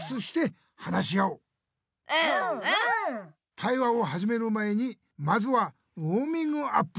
対話をはじめる前にまずはウォーミングアップ。